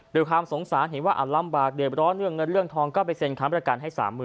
โดยความสงสารเห็นว่าอัมลำบากเดี๋ยวอร้อนเงือนเนื่องทองก็ไปเซ็นค้ำประกันให้๓๐๐๐๐